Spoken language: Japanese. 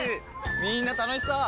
みんな楽しそう！